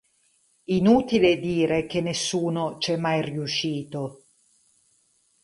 Inutile dire che nessuno ci è mai riuscito.